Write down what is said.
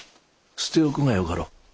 捨て置くがよかろう。